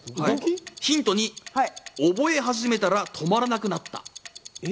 ヒント２、覚え始めたら止まらなくなった。